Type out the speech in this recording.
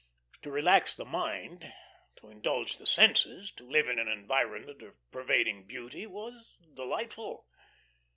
To relax the mind, to indulge the senses, to live in an environment of pervading beauty was delightful.